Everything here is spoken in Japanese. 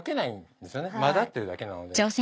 混ざってるだけなので。